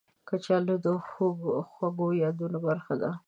کچالو د خوږو یادونو برخه ده